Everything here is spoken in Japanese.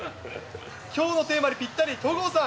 きょうのテーマにぴったり、戸郷さん。